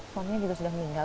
suaminya juga sudah meninggal